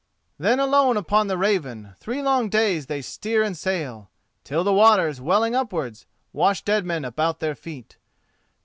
"Then alone upon the Raven Three long days they steer and sail, Till the waters, welling upwards, Wash dead men about their feet.